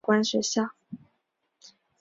民国九年肄业于金陵警官学校。